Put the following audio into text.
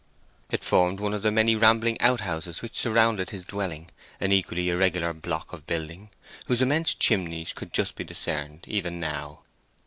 It formed one of the many rambling out houses which surrounded his dwelling, an equally irregular block of building, whose immense chimneys could just be discerned even now.